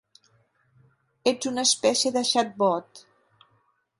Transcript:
Ets una espècie de xatbot.